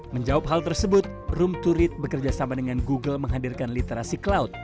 menjawab hal tersebut room to read bekerjasama dengan google menghadirkan literasi cloud